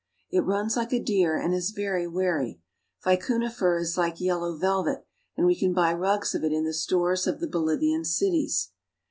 It runs like a deer and is very wary. Vicuna fur is like yellow velvet, and we can buy rugs of it in the stores of the Bolivian cities.